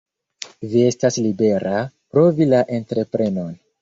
Vi estas libera, provi la entreprenon.